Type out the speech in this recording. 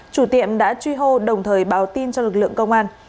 chủ tiệm đã truy hô đồng thời báo tin cho lực lượng công an